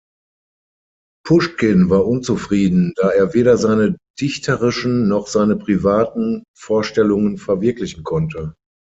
Puschkin war unzufrieden, da er weder seine dichterischen noch seine privaten Vorstellungen verwirklichen konnte.